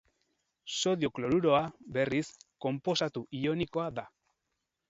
Sodio kloruroa, berriz, konposatu ionikoa da.